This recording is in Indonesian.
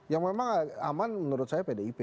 yang memang aman menurut saya pdip